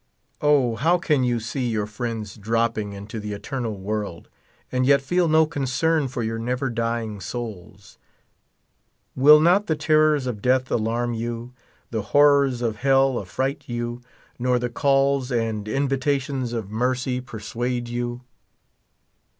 O, how can j^ou see your friends dropping into the eternal world, and yet feel no concern for your never dying souls? Will not the terrors of death alarm you, the horrors of hell af fright you, nor the calls and invitations of mercy per 42 suade you?